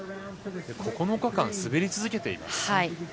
９日間滑り続けています。